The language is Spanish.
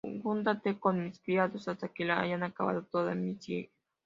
Júntate con mis criados, hasta que hayan acabado toda mi siega.